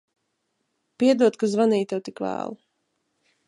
Piedod, ka zvanīju tev tik vēlu.